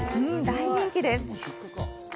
大人気です。